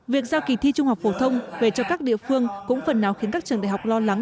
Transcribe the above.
việc giao kỳ thi trung học phổ thông về cho các địa phương cũng phần nào khiến các trường đại học lo lắng